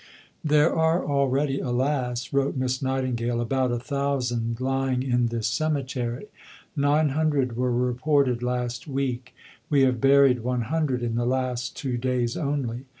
"There are already, alas!" wrote Miss Nightingale, "about a thousand lying in this cemetery. Nine hundred were reported last week. We have buried one hundred in the last two days only.